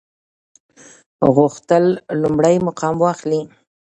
غوښتل لومړی مقام واخلي.